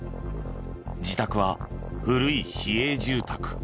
自宅は古い市営住宅。